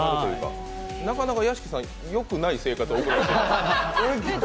なかなか屋敷さん、よくない生活を送られていますね。